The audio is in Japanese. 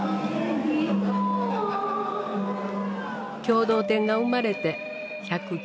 共同店が生まれて１０９年。